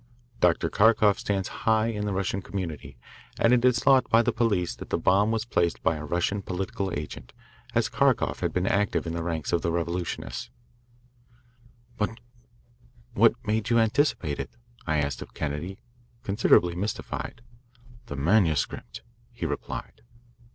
Dr. Kharkoff stands high in the Russian community, and it is thought by the police that the bomb was placed by a Russian political agent, as Kharkoff has been active in the ranks of the revolutionists." "But what made you anticipate it?" I asked of Kennedy, considerably mystified. "The manuscript," he replied.